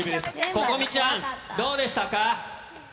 心々咲ちゃん、どうでしたか？